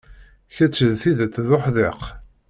Kečč d tidet d uḥdiq.